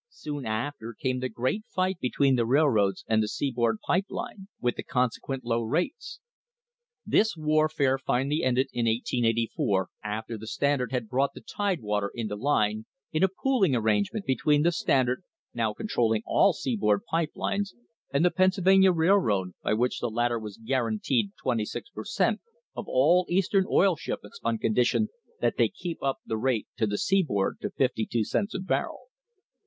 Soon after came the great fight between the railroads and the seaboard pipe A 25,000 BARREL TANK OF OIL IN FLAMES CONCLUSION line, with the consequent low rates. This warfare finally ended in 1884, after the Standard had brought the Tidewater into line, in a pooling arrangement between the Standard, now con trolling all seaboard pipe lines, and the Pennsylvania Rail road, by which the latter was guaranteed twenty six per cent, of all Eastern oil shipments on condition that they keep up the rate to the seaboard to fifty two cents a barrel.